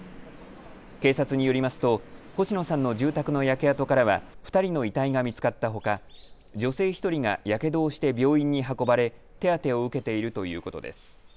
警察によりますと星野さんの住宅の焼け跡からは２人の遺体が見つかったほか、女性１人がやけどをして病院に運ばれ手当てを受けているということです。